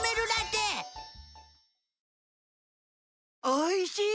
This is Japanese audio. おいしい！